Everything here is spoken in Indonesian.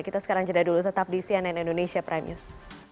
kita sekarang jeda dulu tetap di cnn indonesia prime news